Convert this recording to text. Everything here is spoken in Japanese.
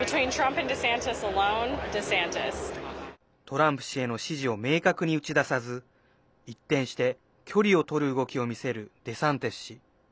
トランプ氏への支持を明確に打ち出さず一転して距離を取る動きを見せるデサンティス氏。